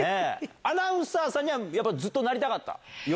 アナウンサーさんには、やっぱりずっとなりたかった？